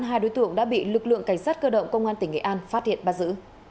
hai đối tượng đã bị lực lượng cảnh sát cơ động công an tỉnh nghệ an phát hiện bắt giữ